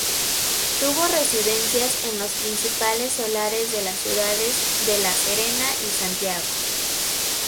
Tuvo residencias en los principales solares de las ciudades de La Serena y Santiago.